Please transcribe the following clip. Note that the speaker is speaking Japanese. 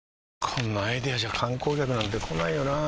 こんなアイデアじゃ観光客なんて来ないよなあ